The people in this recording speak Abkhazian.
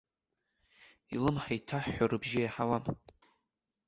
Илымҳа иҭаҳәҳәо рыбжьы иаҳауам.